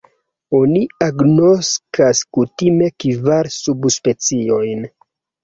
Oni agnoskas kutime kvar subspeciojn.